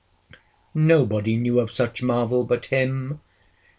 Nobody knew of such marvel but him!